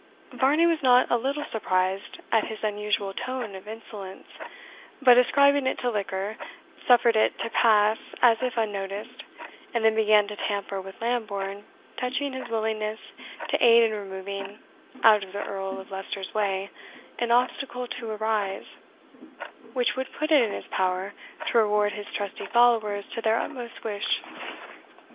Varney was not a little surprised at his unusual tone of insolence; but ascribing it to liquor, suffered it to pass as if unnoticed, and then began to tamper with Lambourne touching his willingness to aid in removing out of the Earl of Leicester's way an obstacle to a rise, which would put it in his power to reward his trusty followers to their utmost wish.